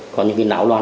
có những cái não đoàn